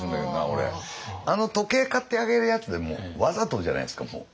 あの時計買ってあげるやつでもわざとじゃないですかもう。